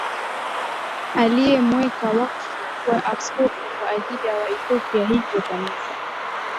aliyemweka wakfu kuwa askofu kwa ajili ya Waethiopia Hivyo Kanisa